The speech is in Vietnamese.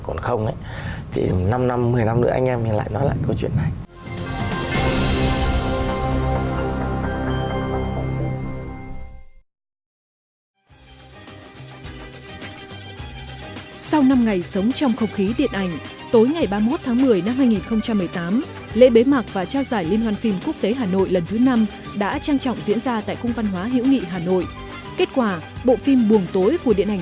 còn không thì năm năm một mươi năm nữa